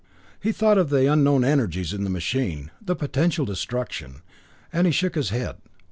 He thought of the unknown energies in the machine, the potential destruction, and he shook his head.